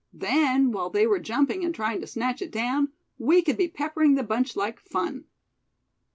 Then, while they were jumping, and trying to snatch it down, we could be peppering the bunch like fun."